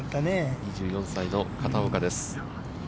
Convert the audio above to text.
２４歳の片岡です。